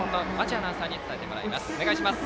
アナウンサーに伝えてもらいます。